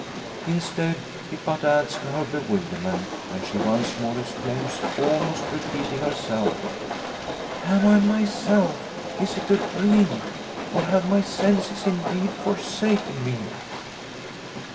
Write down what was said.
Instead, it but adds to her bewilderment, and she once more exclaims, almost repeating herself: "Am I myself? Is it a dream? Or have my senses indeed forsaken me?"